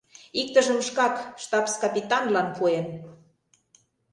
Иктыжым шкак штабс-капитанлан пуэн.